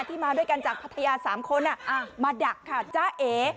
ที่มาด้วยกันจากพัทยาสามคนอ่ะอ่ามาดักค่ะจ้าเอ